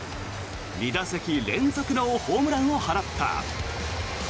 ２打席連続のホームランを放った。